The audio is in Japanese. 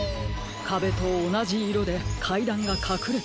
かべとおなじいろでかいだんがかくれているのです。